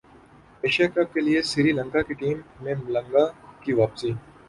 Asia cup کیلئے سری لنکا کی team میں ملنگا کی واپسی